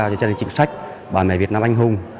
cho gia đình chính sách bà mẹ việt nam anh hùng